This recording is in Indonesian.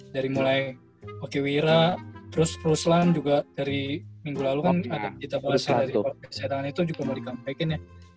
dari mulai okiwira terus ruslan juga dari minggu lalu kan ada kita bahasnya di psa tangan itu juga mau di comeback in ya